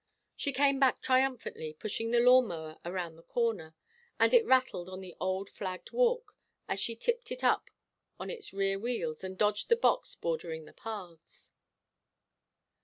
She came back triumphantly, pushing the lawn mower around the corner, and it rattled on the old flagged walk as she tipped it up on its rear wheels and dodged the box bordering the paths.